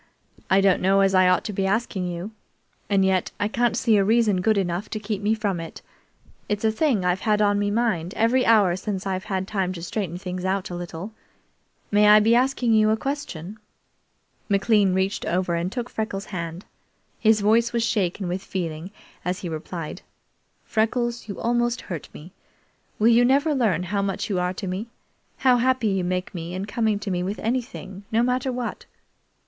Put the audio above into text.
"I don't know as I ought to be asking you, and yet I can't see a reason good enough to keep me from it. It's a thing I've had on me mind every hour since I've had time to straighten things out a little. May I be asking you a question?" McLean reached over and took Freckles' hand. His voice was shaken with feeling as he replied: "Freckles, you almost hurt me. Will you never learn how much you are to me how happy you make me in coming to me with anything, no matter what?"